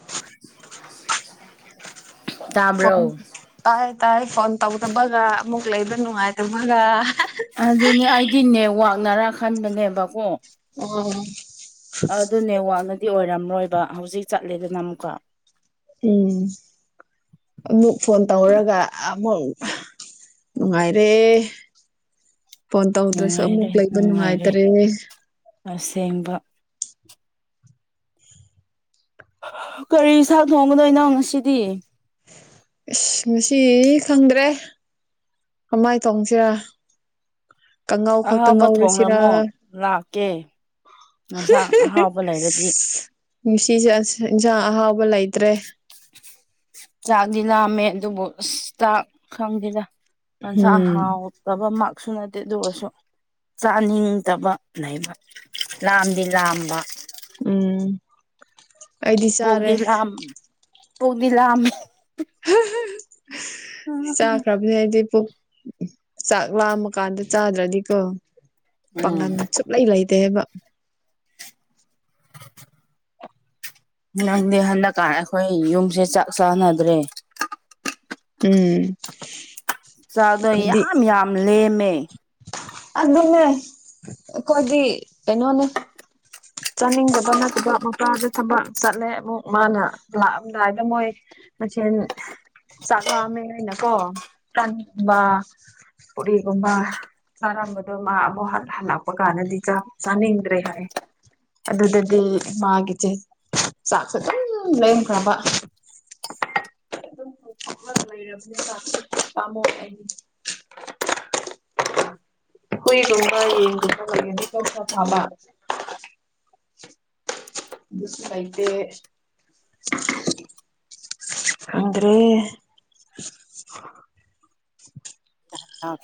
[unintelligible] ꯍ ꯇꯥꯕ꯭ꯔꯣ ꯇꯥꯏ ꯇꯥꯏ ꯐꯣꯟ ꯇꯧꯗꯕꯒ ꯑꯃꯨꯛ ꯂꯩꯕ ꯅꯨꯡꯉꯥꯏꯇꯕꯒ ꯑꯗꯨꯅꯦ ꯑꯩꯗꯤ ꯅꯦꯋꯥꯛꯅꯔꯥ ꯈꯟꯕꯅꯦꯕꯀꯣ ꯎꯝ ꯑꯗꯨꯅꯦꯦꯋꯥꯛꯅꯗꯤ ꯑꯣꯏꯔꯝꯔꯣꯏꯕ ꯍꯧꯖꯤꯛ ꯆꯠꯂꯦꯗꯅ ꯑꯃꯨꯛꯀ ꯎꯝ ꯑꯃꯨꯛ ꯐꯣꯟ ꯎꯝ ꯇꯧꯔꯒ ꯑꯃꯨꯛ ꯅꯨꯡꯉꯥꯏꯔꯦ ꯐꯣꯟ ꯇꯧꯗ꯭ꯔꯁꯨ ꯅꯨꯡꯉꯥꯏꯔꯦ ꯑꯃꯨꯛ ꯂꯩꯕ ꯅꯨꯡꯉꯥꯏꯔꯦ ꯅꯨꯡꯉꯥꯏꯇꯔꯦ ꯑꯁꯦꯡꯕ ꯀꯔꯤ ꯏꯁꯥꯡ ꯊꯣꯡꯕꯅꯣ ꯏꯅꯥꯎ ꯉꯁꯤꯗꯤ ꯏꯁꯁ ꯉꯁꯤ ꯈꯪꯗ꯭ꯔꯦ ꯀꯃꯥꯏꯅ ꯇꯧꯁꯤꯔꯥ ꯀꯥꯡꯉꯥꯎ ꯈꯛꯇ ꯑꯍꯥꯎꯕ ꯉꯧꯔꯨꯁꯤꯔꯥ ꯊꯣꯡꯔꯝꯃꯣ ꯂꯥꯛꯀꯦ ꯌꯦꯟꯁꯥꯡ ꯑꯍꯥꯎꯕ ꯂꯩꯔꯗꯤ ꯅꯨꯡꯁꯤꯁꯦ ꯏꯟꯁꯥꯡ ꯑꯍꯥꯎꯕ ꯂꯩꯇ꯭ꯔꯦ ꯆꯥꯛꯗꯤꯅꯃꯦ ꯑꯗꯨꯕꯨ ꯆꯥꯛ ꯈꯪꯗꯅ ꯑꯣꯟꯁ ꯎꯝ ꯍꯥꯎ ꯕꯥ ꯃꯥꯛꯁꯨ ꯅꯠꯇꯦꯗꯔꯁꯨ ꯆꯥꯅꯤꯡꯗꯕ ꯂꯩꯕ ꯂꯥꯝꯗꯤ ꯂꯥꯝꯕ ꯎꯝ ꯑꯩꯗꯤ ꯆꯥꯔꯦ ꯄꯨꯗ ꯂꯥ ꯆꯥꯈ꯭ꯔꯕꯅꯤ ꯑꯩꯗꯤ ꯆꯥꯛ ꯂꯥꯃ ꯀꯥꯟꯗ ꯆꯥꯗ꯭ꯔꯗꯤꯀꯣ ꯎꯝ ꯄꯥꯒꯟ ꯁꯨꯡꯂꯩ ꯂꯩꯇꯦ ꯍꯥꯏꯕ ꯅꯪꯗꯤ ꯍꯟꯗꯛꯀꯥꯟ ꯑꯩꯈꯣꯏ ꯌꯨꯝꯁꯦ ꯆꯥꯛ ꯆꯥꯟꯅꯗ꯭ꯔꯦ ꯎꯝ ꯆꯗꯣꯏ ꯌꯥꯝ ꯌꯥꯝ ꯂꯦꯝꯃꯦ ꯑꯗꯨꯟꯅ ꯑꯩꯣꯏꯗꯤ ꯄꯩꯅꯣꯅꯦ ꯆꯥꯅꯤꯡꯗꯕ ꯅꯠꯇꯕ ꯃꯄꯥꯗ ꯊꯕꯛ ꯆꯠꯂꯦ ꯑꯃꯨꯛ ꯃꯥꯅ ꯂꯥꯛꯑꯝꯗꯥꯏꯗ ꯃꯣꯏ ꯃꯆ ꯆꯥꯛꯂꯥꯛꯑꯝꯃꯦ ꯍꯥꯏꯅꯀꯣ ꯄꯒꯨꯝꯕ ꯄꯨꯣꯔꯤꯒꯨꯝꯕ ꯆꯥꯔꯝꯕꯗꯣ ꯃꯥꯕꯨꯛ ꯍ ꯍꯜꯂꯛꯄ ꯀꯥꯟꯗꯗꯤꯥꯛ ꯆꯥꯅꯤꯡꯗ꯭ꯔꯦ ꯍꯥꯏ ꯑꯗꯨꯗꯗꯤ ꯃꯥꯒꯤꯁꯦ ꯆꯥꯛꯁꯨ ꯑꯗꯨꯝ ꯂꯩꯔꯈ꯭ꯔꯕ ꯇꯦꯡ ꯑꯗꯨꯝꯊꯣꯛꯂ ꯂꯩꯔꯕꯅꯤ ꯆꯥꯛ ꯄꯥꯝꯃꯣ ꯑꯩꯗꯤ ꯑꯩꯣꯏꯔꯨꯝꯕ ꯌꯦꯡ ꯃꯔ ꯆꯥꯕ ꯁꯥꯏꯦ ꯑꯗ꯭ꯔꯦ ꯍ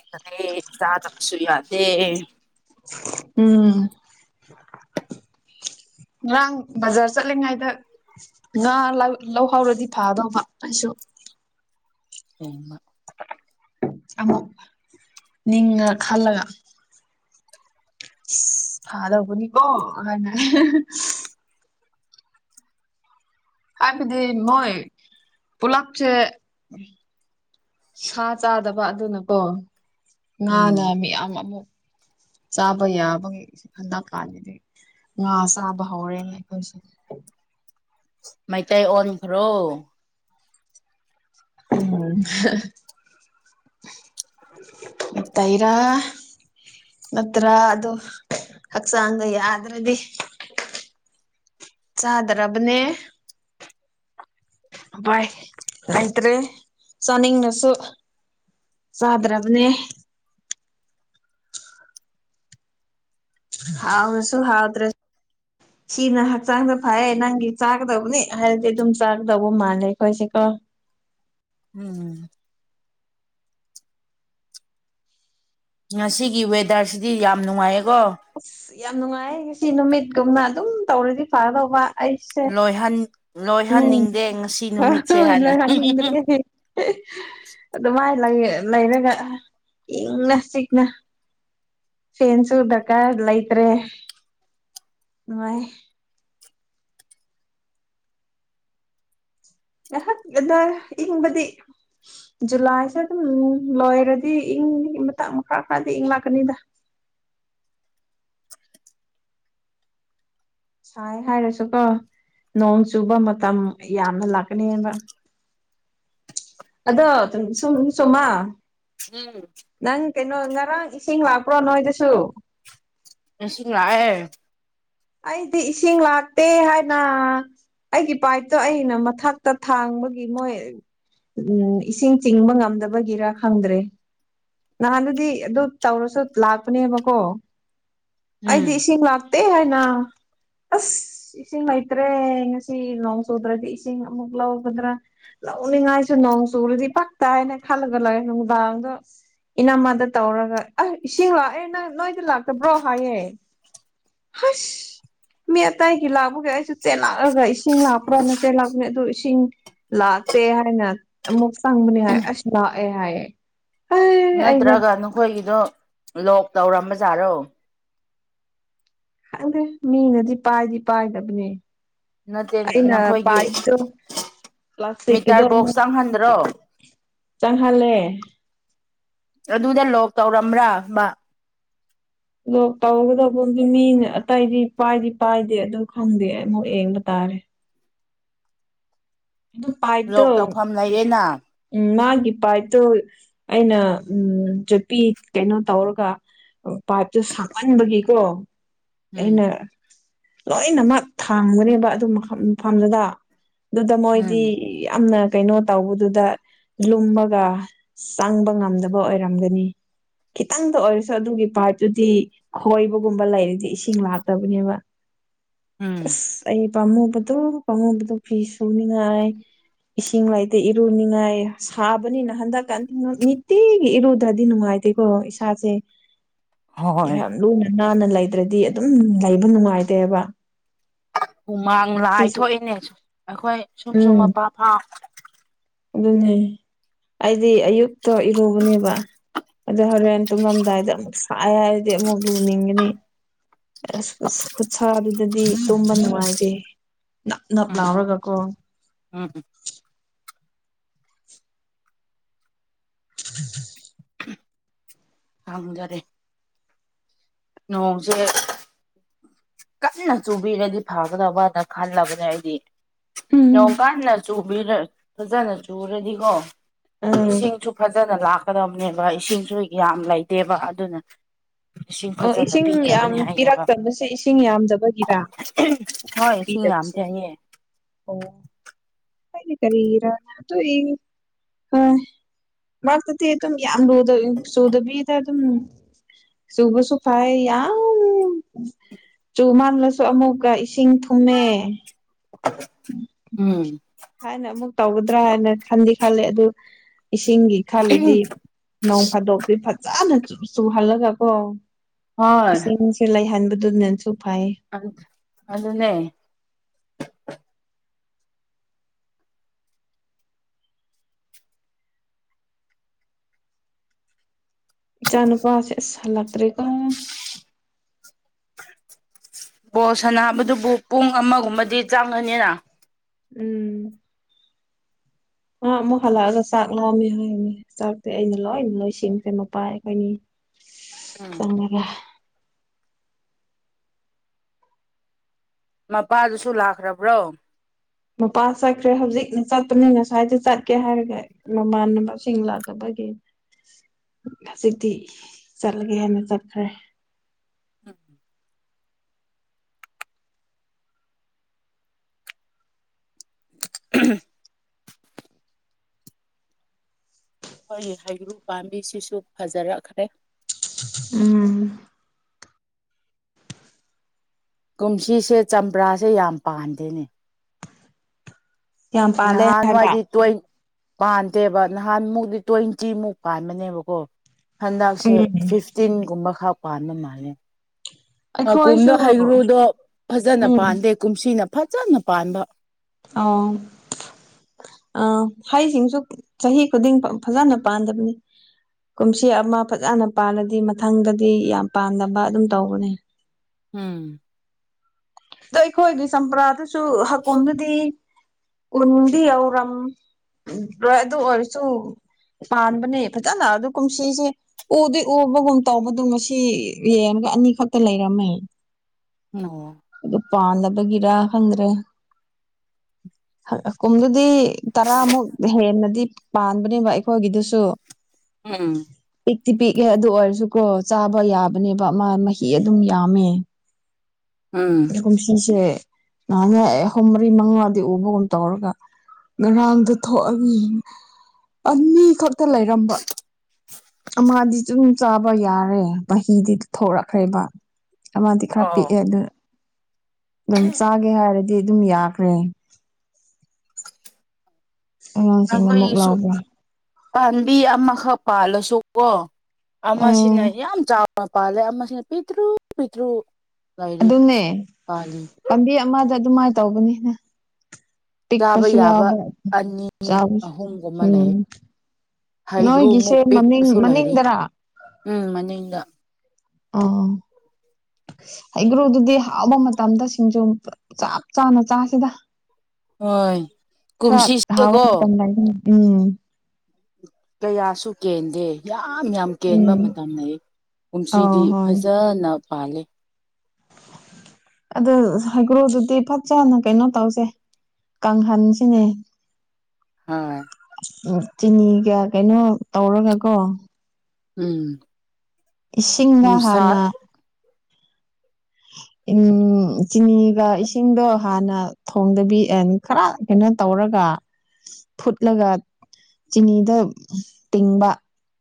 ꯇꯔꯦ ꯁꯥ ꯇꯞ ꯁꯨꯌꯥꯗꯦ ꯎꯝ ꯇꯣꯛ ꯉꯔꯥꯡ ꯕꯖꯥꯔ ꯆꯠꯂꯤꯉꯩꯗ ꯉꯥ ꯂꯧꯍꯧꯔꯗꯤ ꯐꯥꯗꯧꯕ ꯑꯩꯁꯨ ꯍꯃ ꯑꯃ ꯅꯤꯡꯉꯒ ꯈꯜꯂꯒ ꯐꯜ ꯍꯕꯅꯤ ꯀꯣ ꯑꯩꯥꯏꯅ ꯍꯥꯏꯕꯤꯗꯤ ꯃꯣꯏ ꯄꯣꯂꯞ ꯆꯦ ꯁꯥ ꯆꯥꯗꯕ ꯑꯗꯨꯅꯀꯣ ꯎꯝ ꯉꯥꯅ ꯃꯤꯌꯥꯝ ꯑꯃꯨꯛ ꯆꯥꯕ ꯌꯥꯕꯒꯤ ꯍꯟꯗꯛ ꯀꯥꯜꯂꯤ ꯑꯗꯨ ꯉꯥ ꯆꯥꯕ ꯍꯧꯔꯦꯅ ꯑꯩꯈꯣꯏꯁ ꯃꯩꯇꯩ ꯑꯣꯟꯈ꯭ꯔꯣ ꯑꯠꯇꯥꯏꯔ ꯅꯠꯇ꯭ꯔ ꯑꯗꯨ ꯑꯛꯁꯒꯗ꯭ꯔꯗꯤ ꯆꯥꯗ꯭ꯔꯕꯅꯦ ꯚꯏ ꯂꯩꯇ꯭ꯔꯦ ꯆꯅꯤꯡꯅꯁꯨ ꯆꯥꯗ꯭ꯔꯕꯅꯦ ꯍꯁꯨ ꯍꯥꯏꯥꯎꯗ꯭ꯔꯦ ꯌ [inaudible] ꯁꯤꯅ ꯍꯛꯆꯥꯡꯗ ꯐꯌꯦ ꯅꯪꯒꯤ ꯆꯥꯒꯗꯧꯕꯅꯤ ꯍꯥꯏꯔꯗꯤ ꯑꯗꯨꯝ ꯆꯥꯒꯗꯧꯕ ꯃꯥꯜꯂꯦ ꯑꯩꯈꯣꯏꯁꯦ ꯀꯣ ꯎꯝ ꯉꯁꯤꯒꯤ ꯋꯦꯗꯔꯁꯤꯗꯤ ꯌꯥꯝ ꯅꯨꯡꯉꯥꯏꯌꯦꯀꯣ ꯑ ꯌꯥꯝ ꯅꯨꯡꯉꯥꯏ ꯉꯁꯤ ꯅꯨꯃꯤꯠꯒꯨꯝꯅ ꯑꯗꯨꯝ ꯇꯧꯔꯗꯤ ꯐꯗꯧꯕ ꯂꯣꯢꯍꯟ ꯂꯣꯏꯍꯟꯅꯤꯡꯗꯦ ꯉꯁꯤ ꯅꯨꯃꯤꯠꯁꯦ ꯍꯥꯏꯅ ꯍꯟꯅꯤꯡꯗ꯭ꯔꯦ [unintelligible] ꯑꯗꯨꯃꯥꯏꯅ ꯂꯩꯔꯒ ꯏꯪꯅ ꯆꯤꯛꯅ ꯐꯦꯟꯁꯨ ꯗꯀꯥꯔ ꯂꯩꯇ꯭ꯔꯦ ꯅꯨꯉꯥꯏ ꯉꯍꯥꯛ ꯈꯛꯇ ꯏꯪꯕꯗꯤ ꯖꯨꯂꯥꯏꯁꯦ ꯑꯗꯨꯝ ꯂꯣꯏꯔꯗꯤ ꯏꯪꯒꯤ ꯃꯇꯥꯡ ꯈꯔ ꯈꯔꯗꯤ ꯏꯪ ꯂꯥꯛꯀꯅꯤꯗ ꯁꯥꯏ ꯍꯥꯏꯔꯁꯨꯀꯣ ꯅꯣꯡ ꯆꯨꯕ ꯃꯇꯝ ꯌꯥꯝꯅ ꯂꯥꯛꯀꯅꯦꯕ ꯑꯗꯣ [unintelligible] ꯎꯝ ꯅꯪ ꯀꯩꯅꯣ ꯉꯔꯥꯡ ꯏꯁꯤꯡ ꯂꯥꯛꯄ꯭ꯔꯣ ꯅꯣꯏꯗꯁꯨ ꯅꯁꯤꯡ ꯂꯥꯛꯑꯦ ꯑꯩꯗꯤ ꯏꯁꯤꯡ ꯂꯥꯛꯇꯦ ꯍꯥꯏꯅ ꯑꯩꯒꯤ ꯄꯥꯏꯞꯇꯣ ꯑꯩꯅ ꯃꯊꯛꯇ ꯊꯥꯡꯕꯒꯤ ꯃꯣꯏ ꯎꯝ ꯏꯁꯤꯡ ꯆꯤꯡꯕ ꯉꯝꯗꯕꯒꯤꯔ ꯈꯪꯗ꯭ꯔꯦ ꯅꯍꯥꯟꯗꯨꯗꯤ ꯑꯗꯨ ꯇꯧꯔꯁꯨ ꯂꯥꯛꯄꯅꯦꯕꯀꯣ ꯎꯝ ꯑꯩꯗꯤ ꯏꯁꯤꯡ ꯂꯥꯛꯇꯦ ꯍꯥꯏꯅ ꯑꯁ ꯏꯁꯤꯡ ꯍꯩꯇ꯭ꯔꯦ ꯉꯁꯤ ꯅꯣꯡ ꯆꯨꯗ꯭ꯔꯗꯤ ꯏꯁꯤꯡ ꯑꯃꯨꯛ ꯂꯧꯒꯗ꯭ꯔꯥ ꯂꯧꯅꯤꯡꯉꯥꯏꯁꯨ ꯅꯣꯡ ꯆꯨꯨꯔꯗꯤ ꯄꯛ ꯇꯥꯏꯅ ꯈꯜꯂꯒ ꯂꯩꯔꯦ ꯅꯨꯡꯗꯥꯡꯗꯣ ꯏꯅꯝꯃꯗ ꯇꯧꯔꯒ ꯑ ꯏꯁꯤꯡ ꯂꯥꯛꯑꯦ ꯅꯪ ꯅꯣꯏꯗ ꯂꯥꯛꯇꯕ꯭ꯔꯣ ꯍꯥꯏꯌꯦ ꯍꯨꯏꯁ ꯃꯤ ꯑꯇꯩꯒꯤ ꯂꯥꯛꯕꯒꯤ ꯑꯩꯁꯨ ꯆꯦꯜꯂꯥꯛꯑꯒ ꯏꯁꯤꯡ ꯂꯥꯛꯄ꯭ꯔꯥꯅ ꯆꯦꯜꯂꯥꯛꯄꯅꯦ ꯑꯗꯨ ꯏꯁꯤꯡ ꯂꯥꯛꯇꯦ ꯍꯥꯏꯅ ꯑꯃꯨꯛ ꯁꯪꯕꯅꯤ ꯍꯥꯏ ꯑꯁ ꯂꯥꯛꯑꯦ ꯍꯥꯏꯑꯦ ꯅꯠꯇ꯭ꯔꯒ ꯅꯈꯣꯏꯒꯤꯗꯣ ꯂꯣꯛ ꯇꯧꯔꯝꯕꯖꯥꯔꯣ ꯈꯪꯗꯦ ꯃꯤꯅꯗꯤ ꯄꯥꯏꯗꯤ ꯄꯥꯏꯗꯕꯅꯦ ꯅꯠꯇꯦ ꯑꯩꯅ ꯅꯈꯣꯏꯒꯤ ꯄꯥꯏꯞꯇꯣ ꯄ꯭ꯂꯥꯁꯇꯤꯛꯀꯤꯗꯣ ꯃꯤꯇꯔ ꯕꯣꯛꯁ ꯑꯃꯨꯛ [unintelligible] ꯆꯪꯍꯟꯗ꯭ꯔꯣ ꯆꯪꯍꯜꯂꯦ ꯑꯗꯨꯗ ꯂꯣꯛ ꯇꯧꯔꯝꯕ꯭ꯔꯥ ꯃꯥ ꯂꯣꯛ ꯇꯧꯒꯗꯕꯗꯤ ꯃꯤꯅ ꯑꯇꯩꯗꯤ ꯄꯥꯏꯗꯤ ꯄꯥꯏꯗꯦ ꯑꯗꯨ ꯈꯪꯗꯦ ꯑꯃꯨꯛ ꯌꯦꯡꯕ ꯇꯥꯔꯦ ꯑꯗꯨ ꯄꯥꯏꯞꯇꯣ ꯂꯣꯛ ꯇꯧꯐꯝ ꯂꯩꯌꯦꯅ ꯎꯝ ꯃꯥꯒꯤ ꯄꯥꯏꯞꯇꯨ ꯑꯩꯅ ꯎꯝ ꯆꯨꯄꯤ ꯀꯩꯅꯣ ꯇꯧꯔꯒ ꯄꯥꯏꯞꯇꯨ ꯁꯥꯃꯟꯕꯒꯤꯀꯣ ꯑꯩꯅ ꯎꯝ ꯂꯣꯏꯅꯃꯛ ꯊꯥꯡꯒꯅꯦꯕ ꯑꯗꯨ ꯃꯐꯝ ꯃꯐꯝꯗꯨꯗ ꯑꯗꯨꯗ ꯃꯣꯏꯗꯤ ꯎꯝ ꯌꯥꯝꯅ ꯀꯩꯅꯣ ꯇꯧꯕꯗꯨꯗ ꯂꯨꯝꯃꯒ ꯆꯪꯕ ꯉꯝꯗꯕ ꯑꯣꯏꯔꯝꯒꯅꯤ ꯈꯤꯇꯪꯗ ꯑꯣꯏꯔꯁꯨ ꯑꯗꯨꯒꯤ ꯄꯥꯔꯠꯇꯨꯗꯤ ꯈꯣꯏꯕꯒꯨꯝꯕ ꯂꯩꯔꯗꯤ ꯏꯁꯤꯡ ꯂꯥꯛꯇꯕꯅꯦꯕ ꯎꯝ ꯑꯁ ꯑꯩ ꯄꯥꯝꯃꯨꯕꯗꯣ ꯄꯥꯝꯃꯨꯕꯗꯣ ꯐꯤ ꯁꯨꯅꯤꯉꯥꯏ ꯏꯁꯤꯡ ꯂꯩꯗꯦ ꯏꯔꯨꯅꯤꯡꯉꯥꯏ ꯁꯥꯕꯅꯤꯅ ꯍꯟꯗꯛꯀꯥꯟꯗꯤ ꯅꯤꯇꯤꯒꯤ ꯏꯔꯨꯗ꯭ꯔꯗꯤ ꯅꯨꯡꯉꯥꯏꯇꯦꯀꯣ ꯏꯁꯥꯁꯦ ꯍꯣꯏ ꯌꯥꯝ ꯂꯨꯅ ꯅꯥꯟꯅ ꯂꯩꯇ꯭ꯔꯗꯤ ꯑꯗꯨꯝ ꯂꯩꯕ ꯅꯨꯡꯉꯥꯏꯇꯦꯕ ꯍꯨꯃꯥꯡ ꯂꯥꯢ ꯁꯤꯁꯨ ꯊꯣꯛꯏꯅꯦ ꯑꯩꯈꯣꯏ ꯆꯨ ꯆꯨ ꯎꯝ ꯃꯄꯥ ꯐꯥꯎ ꯑꯗꯨꯅꯦ ꯑꯩꯗꯤ ꯑꯌꯨꯛꯇ ꯏꯔꯨꯕꯅꯦꯕ ꯑꯗꯣ ꯍꯣꯔꯦꯟ ꯇꯨꯝꯂꯝꯗꯥꯏꯗ ꯑꯃꯨꯛ ꯁꯥꯏꯌꯦ ꯍꯥꯏꯔꯗꯤ ꯑꯃꯨꯛ ꯂꯨꯅꯤꯡꯒꯅꯤ ꯑꯁ ꯑ ꯈꯨꯠꯁꯥꯗꯨꯗꯗꯤ ꯇꯨꯝꯕ ꯅꯨꯡꯉꯥꯏꯇꯦ ꯅꯞ ꯅꯞ ꯎꯝ ꯂꯥꯎꯔꯒꯀꯣ [unintelligible] [unintelligible] [inaudible] ꯑꯝꯖꯗꯦ ꯅꯣꯡꯁꯦ ꯀꯟꯅ ꯆꯨꯕꯤꯔꯗꯤ ꯐꯒꯗꯕꯅ ꯈꯜꯂꯕꯅꯦ ꯑꯩꯗꯤ ꯎꯝ ꯅꯣꯡ ꯀꯥꯟꯅ ꯆꯨꯕꯤꯔ ꯐꯖꯅ ꯆꯨꯨꯔꯗꯤꯀꯣ ꯎꯝ ꯏꯁꯤꯡꯁꯨ ꯐꯖꯅ ꯂꯥꯛꯀꯗꯕꯅꯦꯕ ꯏꯁꯤꯡꯁꯨ ꯌꯥꯝ ꯂꯩꯇꯦꯕ ꯑꯗꯨꯅ ꯏꯁꯤꯡ ꯑꯣ ꯐꯖꯅ ꯏꯁꯤꯡ ꯌꯥꯝ ꯄꯤꯗꯕꯅꯦ ꯍꯥꯏꯌꯦꯕ ꯄꯤꯔꯛꯇꯅꯁ ꯏꯁꯤꯡ ꯌꯥꯝꯗꯕꯒꯤꯔ ꯍꯣꯏ ꯏꯁꯤꯡ ꯅꯨꯄꯤꯗꯁꯦ ꯌꯥꯝꯗꯦ ꯍꯥꯏꯌꯦ ꯑꯣ ꯀꯔꯤꯒꯤꯔ [unintelligible] ꯃꯔꯛꯇꯗꯤ ꯑꯗꯨꯝ ꯌꯥꯝ ꯔꯨꯗ ꯆꯨꯗꯕꯤꯗ ꯑꯗꯨꯝ ꯆꯧꯕꯨꯁꯨ ꯐꯥꯏ ꯌꯥꯝ ꯆꯨ ꯃꯥꯜꯂꯁꯨ ꯑꯃꯨꯛꯀ ꯏꯁꯤꯡ ꯊꯨꯝꯃꯦ ꯎꯝ ꯍꯥꯏꯅ ꯑꯃꯨꯛ ꯇꯧꯒꯗ꯭ꯔꯥ ꯍꯥꯏꯅ ꯈꯟꯗꯤ ꯈꯜꯂꯦ ꯑꯗꯨ ꯏꯁꯤꯡꯒꯤ ꯈꯜꯂꯗꯤ ꯅꯣꯡ ꯐꯥꯗꯣꯛꯇꯤ ꯐꯖꯅ ꯆꯨꯍꯜꯂꯒ ꯀꯣ ꯍꯣꯏ ꯏꯁꯤꯡ ꯂꯩꯍꯟꯕꯗꯨꯅꯁꯨ ꯐꯥꯏ ꯑꯗꯨꯅꯦ ꯏꯆꯥ ꯅꯨꯨꯄꯥꯁꯦ ꯑꯁ ꯍꯜꯂꯛꯇ꯭ꯔꯦꯀꯣ ꯕꯣ ꯁꯅꯥꯕꯗꯨꯕꯨ ꯄꯨꯡ ꯑꯃꯒꯨꯝꯕꯗꯤ ꯆꯪꯉꯅꯤꯅ ꯎꯝ ꯑꯃꯨꯛ ꯍꯂꯒ ꯆꯥꯛ ꯂꯃꯤ ꯍ ꯆꯥꯛꯁꯦ ꯑꯩꯅ ꯂꯣꯏꯅ ꯂꯣꯏꯁꯤꯟꯈꯔ꯭ꯦ ꯃꯄꯥ ꯑꯩꯈꯣꯏꯅꯤ ꯆꯪꯉꯒ ꯃꯄꯥꯗꯨꯁꯨ ꯂꯥꯛꯈ꯭ꯔꯕ꯭ꯔꯣ ꯃꯄꯥ ꯆꯠꯈ꯭ꯔꯦ ꯍꯧꯖꯤꯛꯅ ꯆꯠꯄꯅꯤꯅ ꯉꯁ꯭ꯋꯥꯏꯗ ꯆꯠꯀꯦ ꯍꯥꯏꯔꯒꯦ ꯃꯃꯥꯟꯅꯕꯁꯤꯡ ꯂꯥꯛꯅꯕꯒꯤ ꯍꯧꯖꯤꯛꯇꯤ ꯆꯠꯂꯒꯦ ꯍꯥꯏꯅ ꯆꯠꯈ꯭ꯔꯦ ꯎꯝ ꯑꯩꯈꯣꯏꯒꯤ ꯍꯩꯒ꯭ꯔꯨ ꯄꯥꯝꯕꯤꯁꯤꯁꯨ ꯐꯖꯔꯛꯈ꯭ꯔꯦ ꯎꯝ ꯀꯨꯝꯁꯤꯁꯦ ꯆꯝꯄ꯭ꯔꯥꯁꯦ ꯌꯥꯝ ꯄꯥꯟꯗꯦꯅꯦ ꯌꯥꯝ ꯄꯥꯜꯂꯦ ꯍꯥꯏꯕ ꯅꯍꯥꯟꯋꯥꯏꯗꯤ ꯇꯣ ꯄꯥꯟꯗꯦꯕ ꯅꯍꯥꯟꯃꯨꯛꯇ ꯇ꯭ꯋꯦꯟꯇꯤ ꯃꯨꯛ ꯄꯥꯟꯕꯅꯦꯕꯀꯣ ꯍꯟꯗꯛꯁꯦ ꯎꯝ ꯐꯤꯐ ꯇꯤꯟꯒꯨꯝꯕ ꯈꯔ ꯄꯥꯟꯕ ꯃꯥꯜꯂꯦ ꯃꯀꯨꯝꯗꯣ ꯑꯩꯈꯣꯏꯁꯨ ꯍꯩꯒ꯭ꯔꯨꯗꯣ ꯐꯖꯅ ꯎꯝ ꯄꯥꯟꯗꯦ ꯀꯨꯝꯁꯤꯅ ꯐꯖꯅ ꯄꯥꯟꯕ ꯑ ꯑ ꯍꯩꯁꯤꯡꯁꯨ ꯆꯍꯤ ꯈꯨꯗꯤꯡ ꯐꯖꯅ ꯄꯥꯟꯗꯕꯅꯤ ꯀꯨꯝꯁꯤ ꯑꯃ ꯐꯖꯅ ꯄꯥꯜꯂꯗꯤ ꯃꯊꯪꯗꯗꯤ ꯌꯥꯝ ꯄꯥꯗꯅꯕ ꯑꯗꯨꯝ ꯇꯧꯕꯅꯦ ꯎꯝ ꯑꯗꯣ ꯑꯩꯈꯣꯏꯒꯤ ꯆꯝꯄ꯭ꯔꯥꯗꯨꯁꯨ ꯍꯀꯝꯗꯨꯗꯤ ꯎꯟꯗꯤ ꯌꯧꯔꯝꯣꯏ ꯑꯗꯨ ꯑꯣꯏꯔꯁꯨ ꯄꯥꯟꯕꯅꯦ ꯐꯖꯅ ꯑꯗꯨ ꯀꯨꯝꯁꯤꯁꯦ ꯎꯗꯤ ꯎꯕꯒꯨꯝ ꯇꯧꯕꯗꯣ ꯉꯁꯤ ꯌꯦꯡꯉꯒ ꯑꯅꯤꯈꯛꯇ ꯂꯩꯔꯝꯃꯦ ꯑꯣ ꯑꯗꯨ ꯄꯥꯟꯗꯕꯒꯤꯔ ꯈꯪꯗ꯭ꯔꯦ ꯀꯨꯝꯗꯨꯗꯤ ꯇꯔꯥꯃꯨꯛ ꯍꯦꯟꯅꯗꯤ ꯄꯥꯟꯕꯅꯦꯕ ꯑꯩꯈꯣꯏꯒꯤꯗꯨꯁꯨ ꯎꯝ ꯄꯤꯛꯇꯤ ꯄꯤꯛꯑꯦ ꯑꯗꯨ ꯑꯣꯏꯔꯁꯨꯀꯣ ꯆꯥꯕ ꯌꯥꯕꯅꯦꯕ ꯃꯥ ꯃꯍꯤ ꯑꯗꯨꯝ ꯌꯥꯝꯃꯦ ꯎꯝ ꯀꯨꯝꯁꯤꯁꯦ ꯉꯍꯥꯟꯅ ꯑꯍꯨꯝ ꯃꯔꯤ ꯃꯉꯥꯗꯤ ꯎꯕꯒꯨꯝ ꯇꯧꯔꯒ ꯉꯔꯥꯡꯗ ꯊꯣꯛꯑꯒ ꯑꯅꯤ ꯈꯛꯇ ꯂꯩꯔꯝꯕ ꯑꯃꯗꯤꯗꯤ ꯁꯨꯝ ꯆꯥꯕ ꯌꯥꯔꯦ ꯃꯍꯤꯗꯤ ꯊꯣꯔꯛꯈ꯭ꯔꯦꯕ ꯑꯃꯗꯤ ꯈꯔ ꯑꯣ ꯄꯤꯛꯑꯦ ꯑꯗꯨꯅ ꯑꯗꯨꯝ ꯆꯥꯒꯦ ꯍꯥꯏꯔꯗꯤ ꯑꯗꯨꯝ ꯌꯥꯈ꯭ꯔꯦ ꯑꯉꯥꯡꯁꯤꯡꯅ ꯑꯃꯨꯛ ꯑꯩꯈꯣꯏꯒꯤꯁꯨ ꯂꯧꯕ꯭ꯔꯥ ꯄꯥꯝꯕꯤ ꯑꯃꯈꯛ ꯄꯥꯜꯂꯁꯨ ꯑꯣ ꯎꯝ ꯑꯃꯁꯤꯅ ꯌꯥꯝ ꯆꯥꯎꯅ ꯄꯥꯜꯂꯦ ꯑꯃꯁꯤꯅ ꯄꯤꯛꯇ꯭ꯔꯨ ꯄꯤꯛꯇ꯭ꯔꯨ ꯂꯩꯔꯤ ꯑꯗꯨꯅꯦ ꯄꯥꯜꯂꯤ ꯄꯥꯝꯕꯤ ꯑꯃꯗ ꯑꯗꯨꯃꯥꯏꯅ ꯇꯧꯕꯅꯤꯅ ꯄꯤꯛ ꯆꯥꯕ ꯄꯁꯤ ꯌꯥꯕ ꯑꯅꯤ ꯆ ꯑꯍꯨꯝꯒꯨꯝꯕ ꯂꯩ ꯎꯝ ꯅꯣꯏꯒꯤꯁꯦ ꯍꯩꯒ꯭ꯔꯨꯃꯨꯛ ꯃꯃꯤꯡ ꯄꯤꯛꯄꯁꯨ ꯂꯩꯔꯤ ꯃꯅꯤꯡꯗꯔ ꯎꯝ ꯃꯅꯤꯡꯗ ꯑ ꯍꯩꯒ꯭ꯔꯨꯗꯨꯗꯤ ꯍꯥꯎꯕ ꯃꯇꯝꯗ ꯁꯤꯡꯖ ꯆꯞ ꯆꯥꯅ ꯆꯥꯁꯤꯗ ꯍꯣꯏ ꯈꯔꯥ ꯍꯧꯕ ꯀꯨꯝꯁꯤꯁꯦꯀꯣ ꯃꯥꯇꯝ ꯂꯩꯅꯤ ꯎꯝ ꯀꯌꯥꯁꯨ ꯀꯦꯟꯗꯦ ꯌꯥꯝ ꯌꯥꯝ ꯀꯦꯟꯕ ꯎꯝ ꯃꯇꯝꯗ ꯑꯩ ꯑ ꯀꯨꯝꯁꯤꯗꯤ ꯍꯣꯏ ꯐꯖꯅ ꯄꯥꯜꯂꯤ ꯑꯗ ꯍꯥꯏꯩꯒ꯭ꯔꯣꯗꯨꯗꯤ ꯐꯠꯖꯅ ꯀꯩꯅꯣ ꯇꯧꯁꯦ ꯀꯥꯡꯍꯟꯁꯤꯅꯦ ꯍꯣꯏ ꯆꯤꯅꯤꯒ ꯀꯩꯅꯣ ꯇꯧꯔꯒ ꯀꯣ ꯎꯝ ꯏꯁꯤꯡꯗ ꯅꯨꯡꯁꯥ ꯍꯥꯟꯅ ꯎꯝ ꯆꯤꯅꯤꯒ ꯏꯁꯤꯡꯗꯣ ꯍꯥꯟꯅ ꯊꯣꯡꯗꯕꯤ ꯑꯦ ꯈꯔ ꯀꯩꯅꯣ ꯇꯧꯔꯒ ꯐꯨꯠꯂꯒ ꯆꯤꯅꯤꯗ ꯇꯤꯡꯕ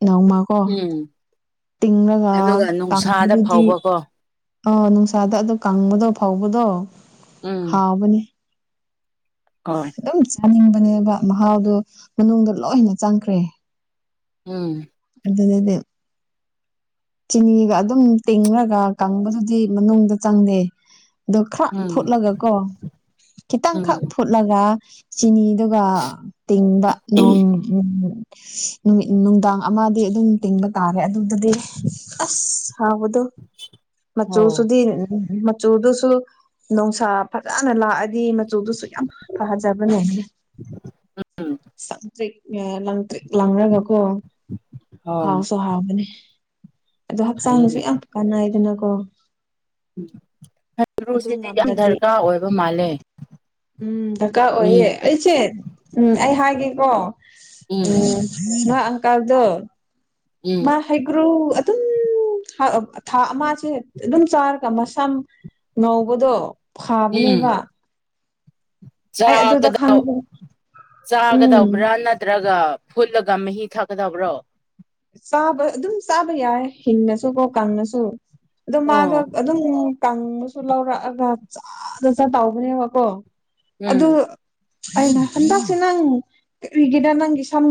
ꯅꯣꯡꯃ ꯎꯝ ꯇꯤꯡꯔꯒ ꯑꯗꯨꯒ ꯅꯨꯡꯁꯥꯗ ꯇꯥꯡꯕꯗꯨꯗꯤ ꯐꯥꯎꯕꯀꯣ ꯑ ꯅꯨꯡꯁꯥꯗ ꯑꯗꯨ ꯀꯪꯕꯗꯣ ꯐꯥꯎꯕꯗꯣ ꯎꯝ ꯍꯥꯎꯕꯅꯦ ꯍꯣꯏ ꯑꯗꯨꯝ ꯆꯥꯅꯤꯡꯕꯅꯦꯕ ꯃꯍꯥꯎꯗꯣ ꯃꯅꯨꯡꯗ ꯂꯣꯏꯅ ꯆꯪꯈ꯭ꯔꯦ ꯎꯝ ꯑꯗꯨꯅꯦ ꯆꯤꯅꯤꯒ ꯑꯗꯨꯝ ꯇꯤꯡꯉꯒ ꯀꯪꯕꯗꯨꯗꯤ ꯃꯅꯨꯡꯗ ꯆꯪꯗꯦ ꯑꯗꯨ ꯈꯛ ꯎꯝ ꯐꯨꯠꯂꯒ ꯀꯣ ꯈꯤꯇꯪ ꯎꯝ ꯈꯔ ꯐꯨꯠꯂꯒ ꯆꯤꯅꯤꯗꯨꯒ ꯇꯤꯡꯕ ꯅꯣꯡ ꯅꯨꯃꯤꯠ ꯅꯨꯡꯗꯥꯡ ꯑꯃꯗꯤ ꯑꯗꯨꯝ ꯇꯤꯡꯕ ꯇꯥꯔꯦ ꯑꯗꯨꯗꯗꯤ ꯑꯁ ꯍꯥꯎꯕꯗꯣ ꯃꯆꯨ ꯑꯣ ꯁꯤ ꯃꯆꯨꯗꯨꯁꯨ ꯅꯨꯡꯁꯥ ꯐꯖꯅ ꯂꯥꯛꯑꯗꯤ ꯃꯆꯨꯗꯨꯁꯨ ꯌꯥꯝ ꯐꯖꯕꯅꯦꯅꯦ ꯎꯝ ꯁꯪꯇ꯭ꯔꯤꯛ ꯂꯪꯇ꯭ꯔꯤꯛ ꯂꯪꯉꯒꯀꯣ ꯍꯣꯏ ꯍꯥꯎꯁꯨ ꯍꯥꯎꯕꯅꯦ ꯑꯗꯣ ꯍꯛꯆꯥꯡꯗꯁꯨ ꯐꯩꯌꯦꯅꯦ ꯌꯥꯝ ꯀꯥꯟ ꯅꯥꯏꯗꯅꯀꯣ ꯎꯝ ꯍꯩꯈꯔꯨ ꯁꯦ ꯌꯥꯝ ꯗꯔꯀꯥꯔ ꯑꯣꯏꯕ ꯃꯥꯜꯂꯦ ꯃꯤ ꯑꯩꯆꯦ ꯎꯝ ꯑꯩ ꯍꯥꯏꯒꯦꯀꯣ ꯎꯝ ꯅꯣꯏ ꯑꯪꯀꯜꯗꯣ ꯎꯝ ꯃꯥ ꯍꯩꯒ꯭ꯔꯨ ꯑꯗꯨꯝ ꯊꯥ ꯑꯃꯁꯥꯁꯦ ꯑꯗꯨꯝ ꯆꯥꯔ ꯃꯁꯝ ꯉꯧꯕꯗꯣ ꯎꯝ ꯐꯥꯕꯅꯦꯕ ꯑꯩ ꯑꯗꯨꯗ ꯆꯥꯒꯗ ꯈꯪꯕ ꯎꯝ ꯆꯥꯒꯗꯧꯕ꯭ꯔꯥ ꯅꯠꯇ꯭ꯔꯒ ꯐꯨꯠꯂꯒ ꯃꯍꯤ ꯊꯛꯀꯗꯕ꯭ꯔꯣ ꯆꯥꯕ ꯑꯗꯨꯝ ꯆꯥꯕ ꯌꯥꯏ ꯍꯤꯡꯉꯁꯨꯀꯣ ꯀꯪꯉꯁꯨ ꯑꯗꯣ ꯑꯣ ꯃꯥꯗꯣ ꯑꯗꯨꯝ ꯀꯥꯡꯕꯁꯨ ꯂꯧꯔꯛꯑꯒ ꯆꯖꯅ ꯇꯧꯕꯅꯦꯕꯀꯣ ꯑꯗꯨ ꯎꯝ ꯑꯩꯅ ꯈꯟ ꯇꯁꯦ ꯅꯪ ꯀꯔꯤꯒꯦꯔ ꯅꯪꯒꯤ ꯁꯝ